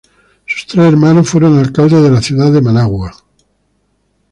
Sus tres hermanos fueron alcaldes de la ciudad de Managua.